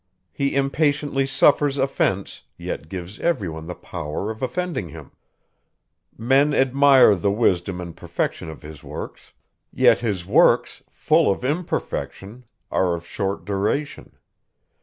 He impatiently suffers offence, yet gives everyone the power of offending him. Men admire the wisdom and perfection of his works; yet his works, full of imperfection, are of short duration.